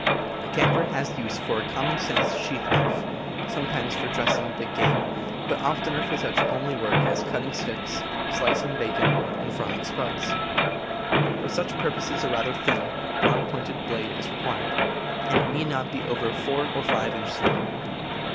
A camper has use for a common sense sheath knife, sometimes for dressing big game, but oftener for such homely work as cutting sticks, slicing bacon, and fry ing "spuds." For such purposes a rather thin, broad pointed blade is required, and it need not be over four or five inches long.